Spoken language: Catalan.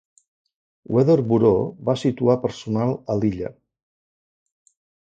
Weather Bureau va situar personal a l'illa.